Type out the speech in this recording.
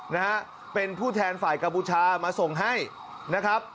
นะฮะเป็นผู้แทนฝ่ายกัมพูชามาส่งให้นะครับ